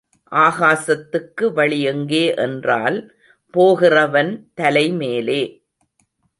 ஆகாசத்துக்கு வழி எங்கே என்றால் போகிறவன் தலைமேலே.